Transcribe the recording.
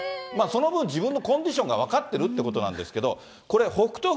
その分、自分のコンディションが分かってるってことなんですけど、これ、北勝